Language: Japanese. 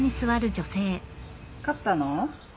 勝ったの？